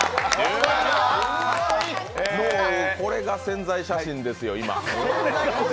これが宣材写真ですよ、今。